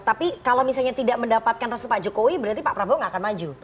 tapi kalau misalnya tidak mendapatkan restu pak jokowi berarti pak prabowo nggak akan maju